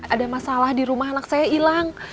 ada masalah di rumah anak saya hilang